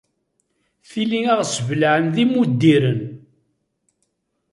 Tili a ɣ-sbelɛen d imuddiren.